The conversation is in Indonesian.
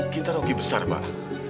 kita rugi besar pak